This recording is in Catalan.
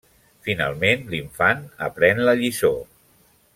Finalment l'infant aprèn la lliçó.